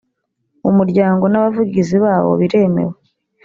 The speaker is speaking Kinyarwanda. umuryango n abavugizi bawo biremewe